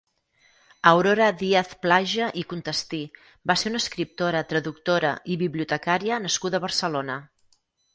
Aurora Díaz-Plaja i Contestí va ser una escriptora, traductora i bibliotecària nascuda a Barcelona.